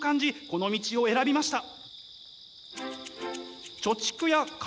この道を選びました。